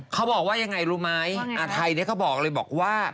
เขาบอกว่ายังไงรู้ไหมอาไทยเขาบอกเลยบอกว่า